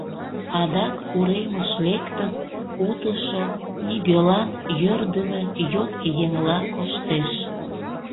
Адак уремыш лектын, утышо, нигӧлан йӧрдымӧ йот еҥла коштеш...